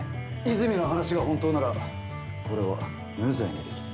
泉の話が本当ならこれは無罪にできる。